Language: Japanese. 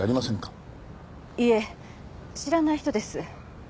いえ知らない人です。